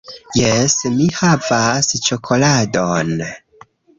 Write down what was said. Jes, mi havas ĉokoladon